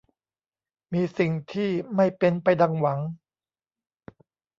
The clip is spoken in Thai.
มีสิ่งที่ไม่เป็นไปดังหวัง